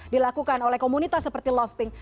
dilakukan oleh komunitas seperti lofting